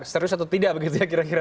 serius atau tidak begitu ya kira kira